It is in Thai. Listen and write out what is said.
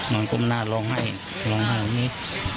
นอนก้มหน้าร้องให้ร้องให้วันนี้